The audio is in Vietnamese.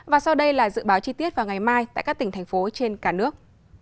và sau đây là dự báo chi tiết vào ngày mai tại các tỉnh thành phố trên cả nước